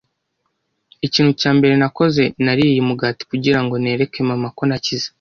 Ikintu cya mbere nakoze, nariye umugati kugira ngo nereke mama ko nakize.